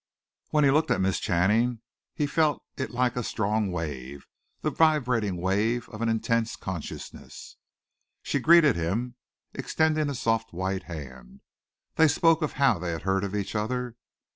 When he looked at Miss Channing he felt it like a strong wave the vibrating wave of an intense consciousness. She greeted him, extending a soft white hand. They spoke of how they had heard of each other.